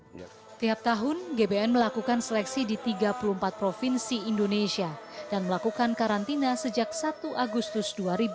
setiap tahun gbn melakukan seleksi di tiga puluh empat provinsi indonesia dan melakukan karantina sejak satu agustus dua ribu dua puluh